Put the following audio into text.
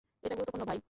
এটা গুরুত্বপূর্ণ, ভাই।